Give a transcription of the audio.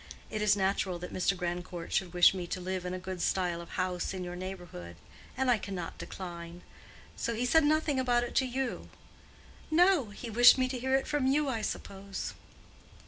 It is natural that Mr. Grandcourt should wish me to live in a good style of house in your neighborhood, and I cannot decline. So he said nothing about it to you?" "No; he wished me to hear it from you, I suppose."